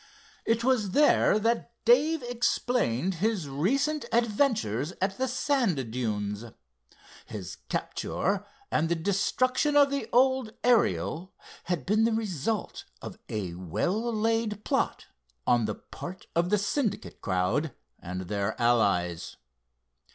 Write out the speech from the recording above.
It was there that Dave explained his recent adventure at the sand dunes. His capture and the destruction of the old Ariel had been the result of a well laid plot on the part of the Syndicate crowd and their allies.